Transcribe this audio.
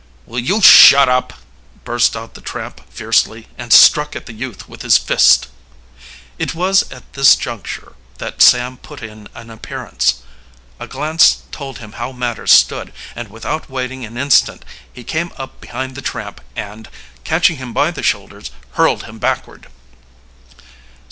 "Will you shut up!" burst out the tramp fiercely, and struck at the youth with his fist. It was at this juncture that Sam put in an appearance. A glance told him how matters stood, and without waiting an instant he came up behind the tramp, and, catching him by the shoulders, hurled him backward.